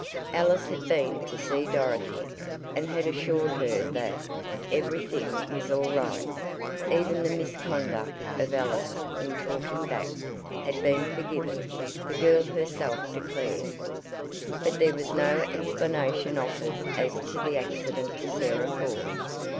Alice had been to see Dorothy, and had assured her that "every thing was all right," even the misconduct of Alice in "talking back" had been forgiven, the girl herself declared. But there was no explanation offered as to the accident to Sarah Ford.